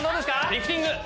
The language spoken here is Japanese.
リフティング！